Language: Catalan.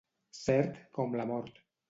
Cert com la mort.